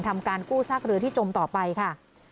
ทำการกู้ซากเรือที่จมต่อไปค่ะ